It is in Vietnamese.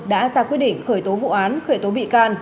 đã ra quyết định khởi tố vụ án khởi tố bị can